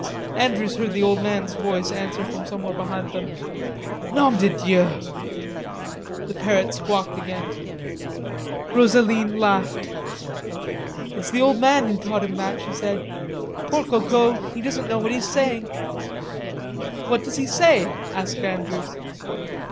Andrews heard the old man's voice answer from somewhere behind him: "Nom de Dieu!" The parrot squawked again. Rosaline laughed. "It's the old man who taught him that," she said. "Poor Coco, he doesn't know what he's saying." "What does he say?" asked Andrews.